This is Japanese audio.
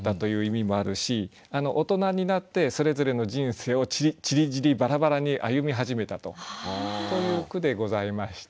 大人になってそれぞれの人生をちりぢりバラバラに歩み始めたとという句でございまして。